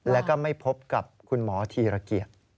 แล้วก็ไม่พบกับคุณหมอธีรเกียจ